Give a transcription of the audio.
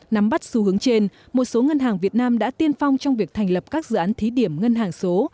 nắm bắt xu hướng trên một số ngân hàng việt nam đã tiên phong trong việc thành lập các dự án thí điểm ngân hàng số